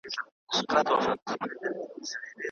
ده د دربار تشريفات محدود کړل.